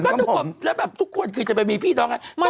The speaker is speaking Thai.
ก็ทุกคนแล้วแบบทุกคนคือจะไปมีพี่น้องไง